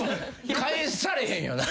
返されへんよな。